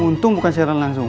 untung bukan siaran langsung